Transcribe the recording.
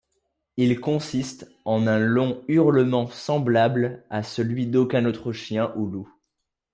Il consiste en un long hurlement semblable à celui d'aucun autre chien ou loup.